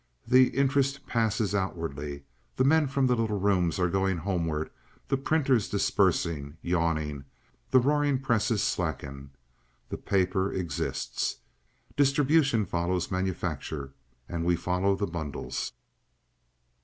The interest passes outwardly; the men from the little rooms are going homeward, the printers disperse yawning, the roaring presses slacken. The paper exists. Distribution follows manufacture, and we follow the bundles.